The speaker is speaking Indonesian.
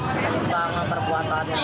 iya sesuai dengan perbuatannya